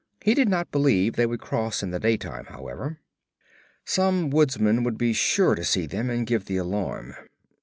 He did not believe they would cross in the daytime, however. 'Some woodsman would be sure to see them and give the alarm.